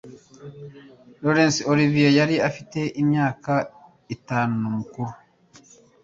Laurence Olivier yari afite imyaka itanu mukuru,